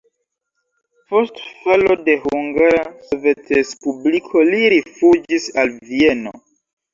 Post falo de Hungara Sovetrespubliko li rifuĝis al Vieno.